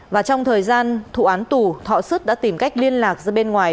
và trong thời gian thụ án tù thọ sứt đã tìm cách liên lạc ra bên ngoài